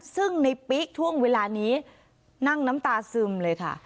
ซึ่งในปิ๊กช่วงเวลานี้นั่งน้ำตาซึมเลยค่ะ